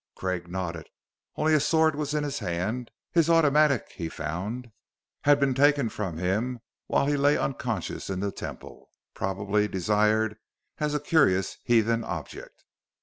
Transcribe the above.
Craig nodded. Only a sword was in his hand; his automatic, he found, had been taken from him while he lay unconscious in the Temple, probably desired as a curious heathen object.